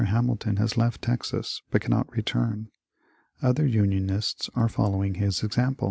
Ham ilton has left Texas, but cannot return. Other Unionists are following his example.